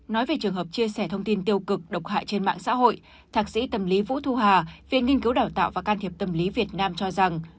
nói về trường hợp chia sẻ thông tin tiêu cực độc hại trên mạng xã hội thạc sĩ tâm lý vũ thu hà viện nghiên cứu đào tạo và can thiệp tâm lý việt nam cho rằng